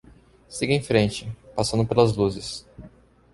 Siga em frente, passando pelas luzes.